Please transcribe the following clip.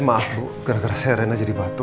maaf bu gara gara saya rena jadi batuk